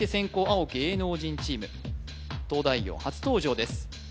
青芸能人チーム「東大王」初登場です